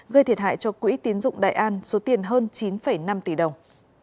gây thiệt hại cho quỹ tiến dụng đại an số tiền hơn chín năm tỷ đồng